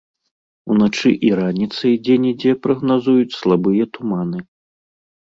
Уначы і раніцай дзе-нідзе прагназуюць слабыя туманы.